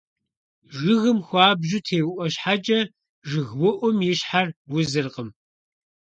Жыгым хуабжьу теуIуэ щхьэкIэ, жыгыуIум и щхьэр узыркъым.